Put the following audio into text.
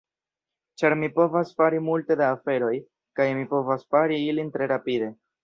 ĉar mi povas fari multe da aferoj, kaj mi povas fari ilin tre rapide